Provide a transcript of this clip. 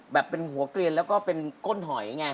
เป็นหัวเกลียนแล้วก็เป็นก้นหอยไง